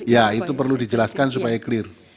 ya itu perlu dijelaskan supaya clear